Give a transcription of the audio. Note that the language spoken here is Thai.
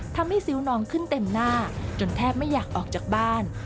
ซิ้วน้องขึ้นเต็มหน้าจนแทบไม่อยากออกจากบ้าน